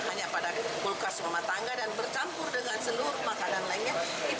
hanya pada kulkas rumah tangga dan bercampur dengan seluruh makanan lainnya